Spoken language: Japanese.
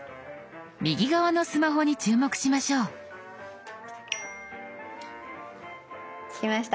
右側のスマホに注目しましょう。来ました。